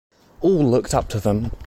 All looked up to them.